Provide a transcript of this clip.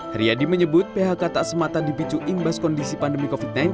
haryadi menyebut phk tak semata dipicu imbas kondisi pandemi